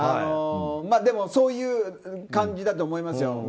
そういう感じだと思いますよ。